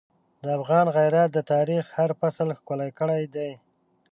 د افغان غیرت د تاریخ هر فصل ښکلی کړی دی.